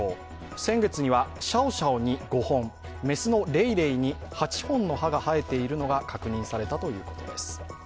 先月にはシャオシャオに５本、雌のレイレイに８本の歯が生えているのが確認されたということです。